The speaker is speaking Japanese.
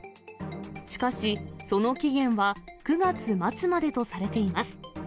しかし、その期限は９月末までとされています。